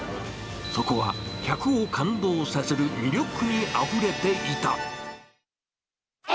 そこは客を感動させる魅力にあふれていた。